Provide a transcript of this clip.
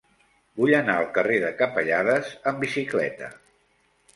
Vull anar al carrer de Capellades amb bicicleta.